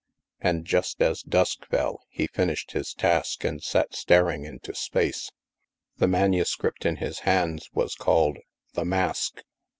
And just as dusk fell, he finished hi* task and sat staring into space. The manuscript in his hands was called "The Mask."